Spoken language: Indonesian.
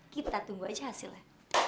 kita tunggu aja hasilnya